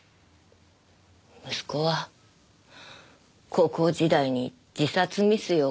息子は高校時代に自殺未遂を起こしました。